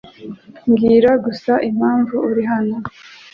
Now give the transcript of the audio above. Mbwira gusa impamvu uri hano.